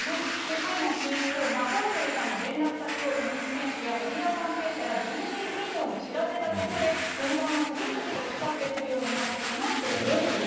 サイモンＣＥＯが、彭帥さんの連絡先をテニス選手やメディア関係者ら１０人以上に知らせたことで、電話が次々とかかってくるようになって、困ってしまったという。